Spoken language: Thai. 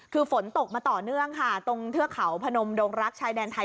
คือฝนตกมาต่อเนื่องค่ะตรงเทือกเขาพนมดงรักชายแดนไทย